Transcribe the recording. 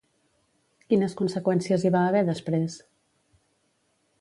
Quines conseqüències hi va haver després?